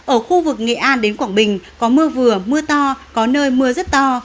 ở khu vực nghệ an đến quảng bình có mưa vừa mưa to có nơi mưa rất to